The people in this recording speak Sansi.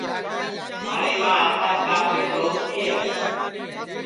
مھاری ماں ہاتاس کاپڑے دھؤتی ہے